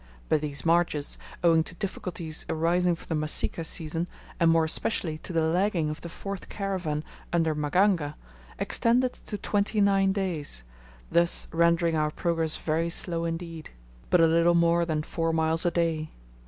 But these marches, owing to difficulties arising from the Masika season, and more especially to the lagging of the fourth caravan under Maganga, extended to twenty nine days, thus rendering our progress very slow indeed but a little more than four miles a day.